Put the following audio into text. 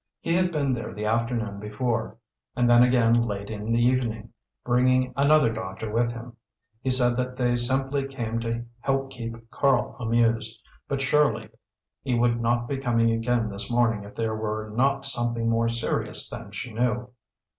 He had been there the afternoon before, and then again late in the evening, bringing another doctor with him. He said that they simply came to help keep Karl amused; but surely he would not be coming again this morning if there were not something more serious than she knew.